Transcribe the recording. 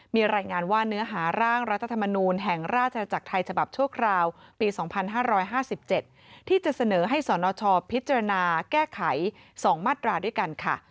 มีรายงานว่าเนื้อหาร่างรัฐธรรมนูลแห่งราชจักรไทยฉบับชั่วคราวปี๒๕๕๗ที่จะเสนอให้สนชพิจารณาแก้ไข๒มาตราด้วยกันค่ะ